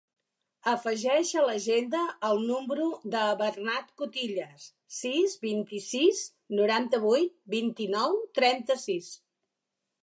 Afegeix a l'agenda el número del Bernat Cutillas: sis, vint-i-sis, noranta-vuit, vint-i-nou, trenta-sis.